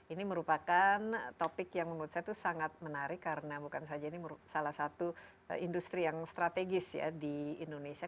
ini merupakan topik yang menurut saya itu sangat menarik karena bukan saja ini salah satu industri yang strategis ya di indonesia